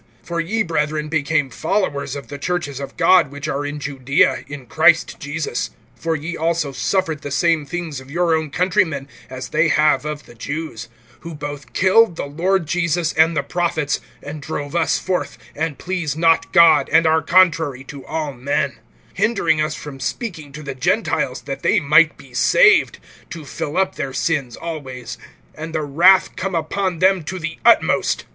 (14)For ye, brethren, became followers of the churches of God which are in Judaea in Christ Jesus; for ye also suffered the same things of your own countrymen, as they have of the Jews; (15)who both killed the Lord Jesus and the prophets, and drove us forth, and please not God, and are contrary to all men; (16)hindering us from speaking to the Gentiles that they might be saved, to fill up their sins always; and the wrath came upon them to the utmost.